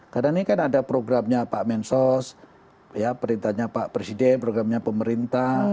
karena ini kan ada programnya pak mensos ya perintahnya pak presiden programnya pemerintah